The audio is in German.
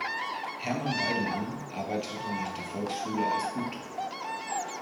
Hermann Weidemann arbeitete nach der Volksschule als Buchdrucker.